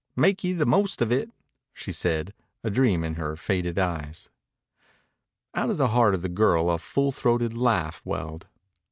Make ye the most of it," she said, a dream in her faded eyes. Out of the heart of the girl a full throated laugh welled.